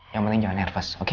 yang penting jangan nervous